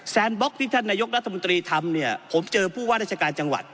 บล็อกที่ท่านนายกรัฐมนตรีทำเนี่ยผมเจอผู้ว่าราชการจังหวัด